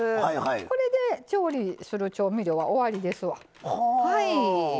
これで調理する調味料は終わりですわ。